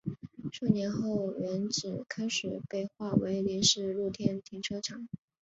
数年后原址开始被划为临时露天停车场。